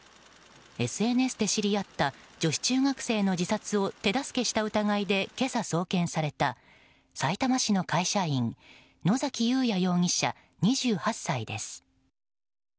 ＳＮＳで知り合った女子中学生の自殺を手助けした疑いで今朝、送検されたさいたま市の会社員野崎祐也容疑者、２８歳です。